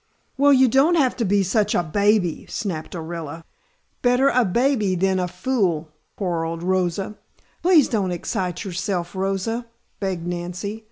"Well, you don't have to be such a baby," snapped Orilla. "Better a baby than a fool," quarreled Rosa. "Please don't excite yourself, Rosa," begged Nancy.